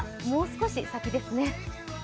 もう少し先ですね。